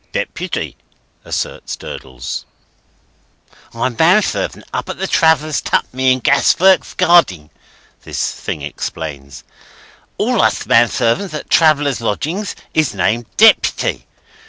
"Deputy," assents Durdles. "I'm man servant up at the Travellers' Twopenny in Gas Works Garding," this thing explains. "All us man servants at Travellers' Lodgings is named Deputy.